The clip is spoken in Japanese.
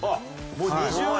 もう２０年？